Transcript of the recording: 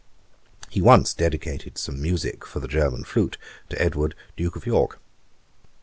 He once dedicated some Musick for the German Flute to Edward, Duke of York.